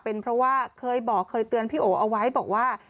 เป็นเพราะว่าเคยบอกเคยเตือนพี่โอเอาไว้บอกว่า